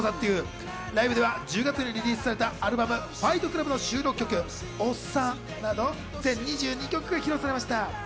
ライブでは１０月にリリースされたアルバム、『ＦＩＧＨＴＣＬＵＢ』の収録曲『おっさん』など全２２曲が披露されました。